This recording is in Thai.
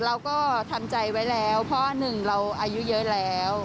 เราก็ทำใจไว้แล้วเพราะหนึ่งเราอายุเยอะแล้ว